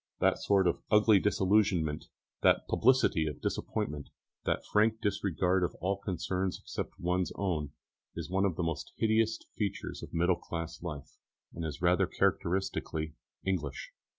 That sort of ugly disillusionment, that publicity of disappointment, that frank disregard of all concerns except one's own, is one of the most hideous features of middle class life, and it is rather characteristically English.